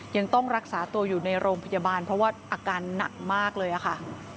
ยังต้องรักษาตัวอยู่ในโรงพยาบาลเพราะว่าอาการหนักมากเลยค่ะ